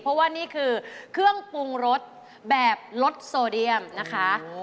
เพราะว่านี่คือเครื่องปรุงรสแบบรสโซเดียมนะคะ